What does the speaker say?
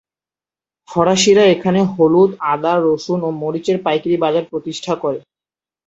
ফরাসিরা এখানে হলুদ, আদা, রসুন ও মরিচের পাইকারি বাজার প্রতিষ্ঠা করে।